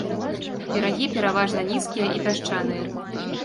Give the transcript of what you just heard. Берагі пераважна нізкія і пясчаныя.